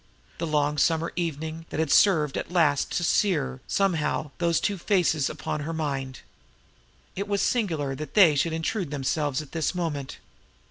The long summer evening had served at least to sear, somehow, those two faces upon her mind. It was singular that they should intrude themselves at this moment!